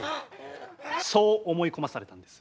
そう思い込まされたんです。